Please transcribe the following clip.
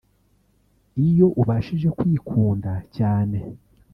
iyo ubashije kwikunda cyane